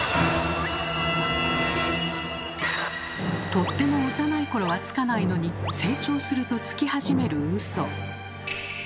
とっても幼いころはつかないのに成長するとつきはじめるウソ。